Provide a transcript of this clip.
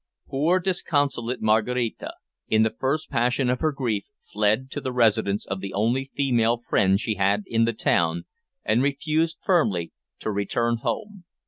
Poor, disconsolate Maraquita, in the first passion of her grief, fled to the residence of the only female friend she had in the town, and refused firmly to return home.